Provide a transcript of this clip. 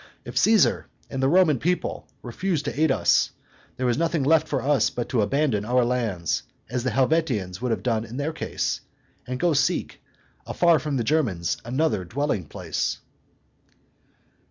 If Caesar and the Roman people refuse to aid us, there is nothing left for us but to abandon our lands, as the Helvetians would have done in their case, and go seek, afar from the Germans, another dwelling place."